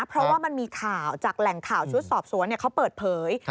เพราะว่ามันมีข่าวจากแหล่งข่าวชุดสอบสวนเขาเปิดเผย